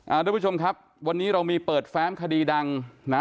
ทุกผู้ชมครับวันนี้เรามีเปิดแฟ้มคดีดังนะ